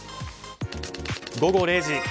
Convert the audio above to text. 午後０時。